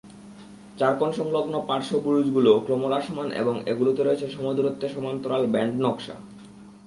চারকোণ-সংলগ্ন পার্শ্ব বুরুজগুলো ক্রমহ্রাসমান এবং এগুলোতে রয়েছে সমদূরত্বে সমান্তরাল ব্যান্ড নকশা।